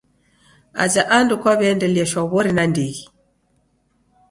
Aja andu kwaw'iaendelia shwaw'ori nandighi.